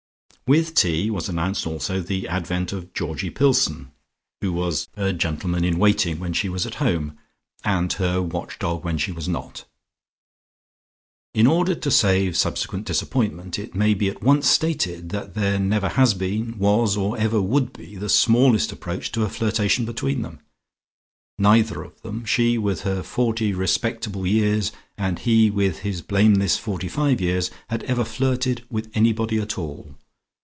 With tea was announced also the advent of Georgie Pillson who was her gentleman in waiting when she was at home, and her watch dog when she was not. In order to save subsequent disappointment, it may be at once stated that there never has been, was, or ever would be the smallest approach to a flirtation between them. Neither of them, she with her forty respectable years and he with his blameless forty five years, had ever flirted, with anybody at all.